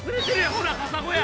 ほらカサゴや。